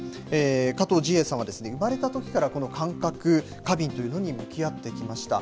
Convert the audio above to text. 加藤路瑛さんは、生まれたときからこの感覚過敏というものに向き合ってきました。